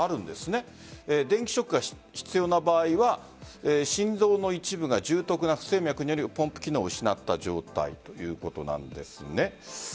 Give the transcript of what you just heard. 電気ショックが必要な場合は心臓の一部が重篤な不整脈によりポンプ機能を失った状態ということなんですね。